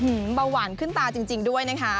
เบาหวานขึ้นตาจริงด้วยนะคะ